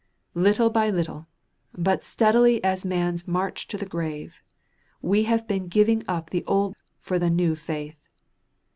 Little by little, but steadily as man's march to the grave, we have been giving up the old for the new faith.